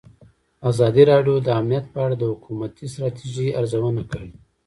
ازادي راډیو د امنیت په اړه د حکومتي ستراتیژۍ ارزونه کړې.